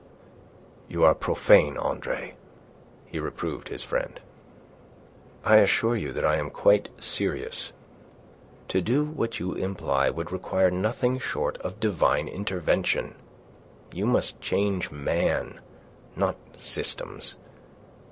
"You are profane, Andre," he reproved his friend. "I assure you that I am quite serious. To do what you imply would require nothing short of divine intervention. You must change man, not systems.